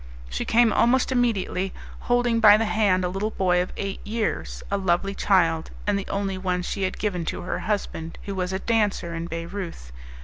She came almost immediately, holding by the hand a little boy of eight years a lovely child and the only one she had given to her husband, who was a dancer in Bayreuth.